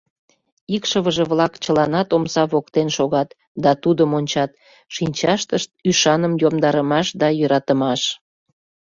Икшывыже-влак чыланат омса воктен шогат да тудым ончат — шинчаштышт ӱшаным йомдарымаш да йӧратымаш.